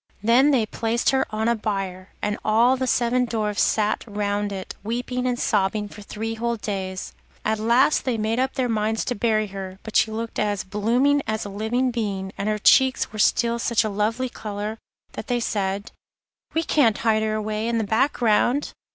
Then they placed her on a bier, and all the seven Dwarfs sat round it, weeping and sobbing for three whole days. At last they made up their minds to bury her, but she looked as blooming as a living being, and her cheeks were still such a lovely colour, that they said: 'We can't hide her away in the black ground.